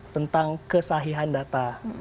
tentang kesahihan data